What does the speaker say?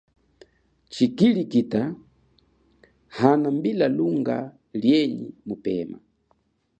Tshikilikita hanambila lunga lienyi mupema.